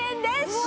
うわ！